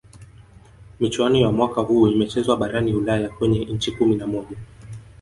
michuano ya mwaka huu imechezwa barani ulaya kwenye nchi kumi na moja